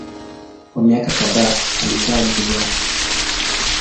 Kwa miaka kadhaa alikaa Guinea.